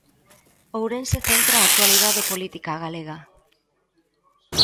Ourense centra a actualidade política galega.